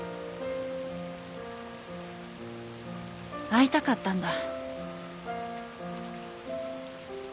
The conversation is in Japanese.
会いたかったんだ。